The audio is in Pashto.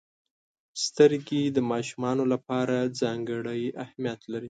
• سترګې د ماشومانو لپاره ځانګړې اهمیت لري.